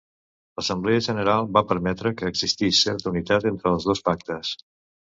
L'Assemblea General va pretendre que existís certa unitat entre els dos Pactes.